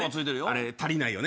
あれ足りないよね。